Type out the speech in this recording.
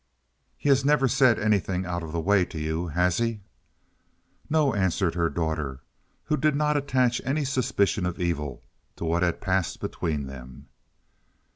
"He has never said anything out of the way to you, has he?" "No," answered her daughter, who did not attach any suspicion of evil to what had passed between them.